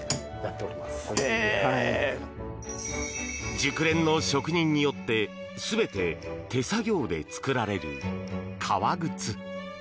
熟練の職人によって全て手作業で作られる革靴。